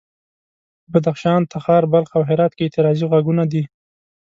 په بدخشان، تخار، بلخ او هرات کې اعتراضي غږونه دي.